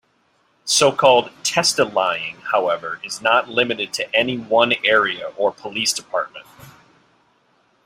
So-called "testilying," however, is not limited to any one area or police department.